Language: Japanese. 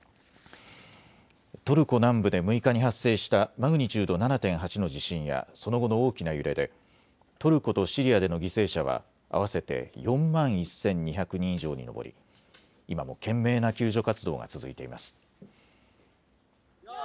トルコ南部で６日に発生したマグニチュード７．８の地震やその後の大きな揺れでトルコとシリアでの犠牲者は合わせて４万１２００人以上に上り、今も懸命な救助活動が続いています。